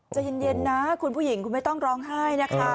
ใจเย็นนะคุณผู้หญิงคุณไม่ต้องร้องไห้นะคะ